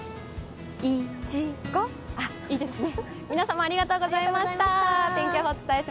い・ち・ご、いいですね。